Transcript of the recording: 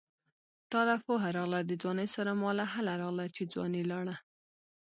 تاله پوهه راغله د ځوانۍ سره ماله هله راغله چې ځواني لاړه